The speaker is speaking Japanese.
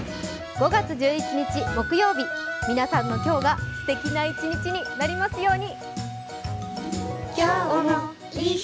５月１１日木曜日皆さんの今日がすてきな一日になりますように。